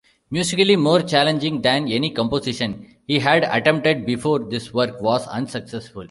Musically more challenging than any composition he had attempted before, this work was unsuccessful.